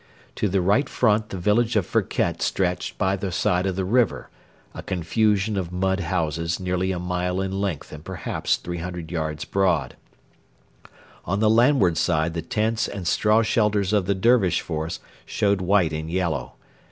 To the right front the village of Firket stretched by the side of the river a confusion of mud houses nearly a mile in length and perhaps 300 yards broad. On the landward side the tents and straw shelters of the Dervish force showed white and yellow.